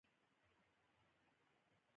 د هغې همت دومره کمزوری نه دی چې ژر ستړې شي.